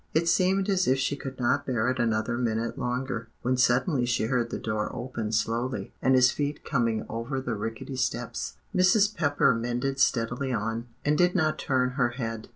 It seemed as if she could not bear it another minute longer, when suddenly she heard the door open slowly, and his feet coming over the rickety steps. Mrs. Pepper mended steadily on, and did not turn her head.